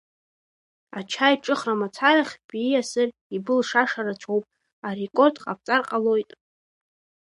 Ачаиҿыхра мацарахь биасыр ибылшаша рацәоуп, арекорд ҟабҵар ҟалоит.